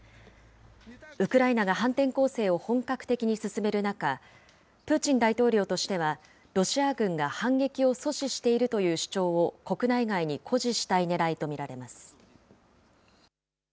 ウクライナが反転攻勢を本格的に進める中、プーチン大統領としては、ロシア軍が反撃を阻止しているという主張を国内外に誇示したいね